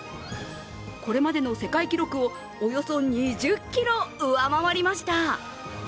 これまでの世界記録をおよそ２０ｋｇ上回りました。